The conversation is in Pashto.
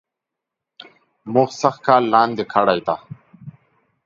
مونږ سږ کال لاندي کړي دي